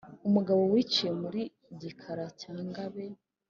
umugabo wiciye muli Gikara cya Ngabe